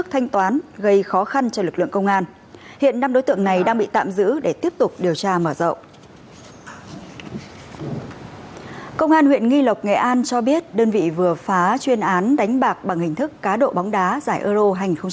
công an huyện nghi lộc nghệ an cho biết đơn vị vừa phá chuyên án đánh bạc bằng hình thức cá độ bóng đá giải euro hai nghìn một mươi chín